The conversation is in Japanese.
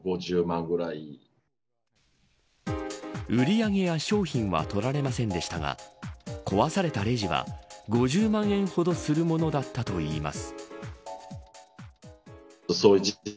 売り上げや商品は取られませんでしたが壊されたレジは５０万円ほどするものだったといいます。